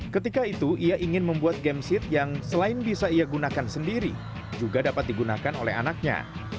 ketika itu ia ingin membuat game seat yang selain bisa ia gunakan sendiri juga dapat digunakan oleh anaknya